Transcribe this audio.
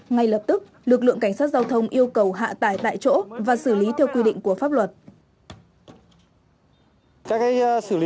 ngay lập tức lực lượng cảnh sát giao thông yêu cầu hạ tải tại chỗ và xử lý theo quy định của pháp luật